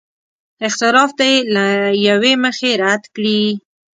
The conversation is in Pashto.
اختلاف دې له یوې مخې رد کړي.